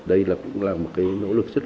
đây là một nỗ lực rất lớn của chúng ta